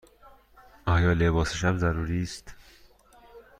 آیا لباس شب ضروری است؟